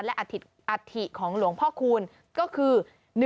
และอาถิอาถิของหลวงพ่อคูณก็คือ๑๖๙